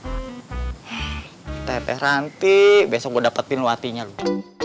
eh teteh ranti besok gue dapetin lu hatinya loh